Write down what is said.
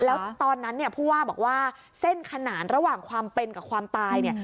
แล้วตอนนั้นเนี่ยผู้ว่าบอกว่าเส้นขนานระหว่างความเป็นกับความตายเนี่ย